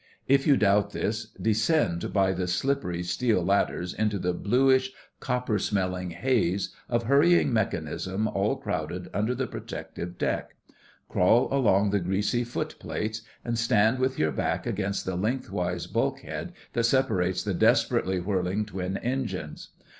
If you doubt this, descend by the slippery steel ladders into the bluish copper smelling haze of hurrying mechanism all crowded under the protective deck; crawl along the greasy foot plates, and stand with your back against the lengthwise bulkhead that separates the desperately whirling twin engines.